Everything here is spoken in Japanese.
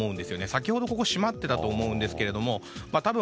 先ほどは閉まっていたと思うんですけども。